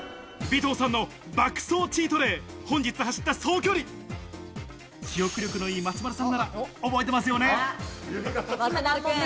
尾藤さんの爆走チートデイ、本日走った総距離、記憶力の良い松丸さんなら覚えてますよね？